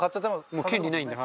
もう権利ないんで。